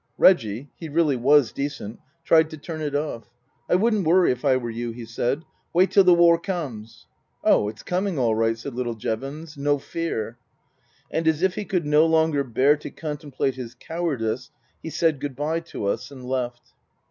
Reggie (he really was decent) tried to turn it off. "I wouldn't worry, if I were you," he said. " Wait till the war comes." " Oh, it's coming all right," said little Jevons. " No fear." And as if he could no longer bear to contemplate his cowardice, he said good bye to us and left.